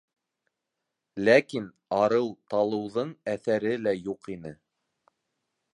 Ләкин арыу-талыуҙың әҫәре лә юҡ ине.